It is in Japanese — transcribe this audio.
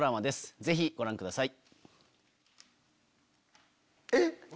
ぜひご覧ください。ってか。